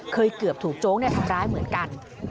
เกือบถูกโจ๊กทำร้ายเหมือนกัน